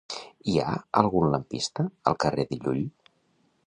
Hi ha algun lampista al carrer de Llull?